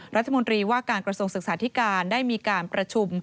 รัฐมนตรีว่าการกระทรวงศึกษาธิการได้มีการประชุม